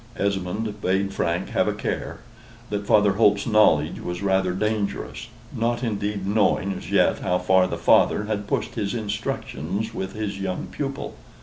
Esmond bade Frank have a care; that Father Holt's knowledge was rather dangerous; not, indeed, knowing as yet how far the Father had pushed his instructions with his young pupil.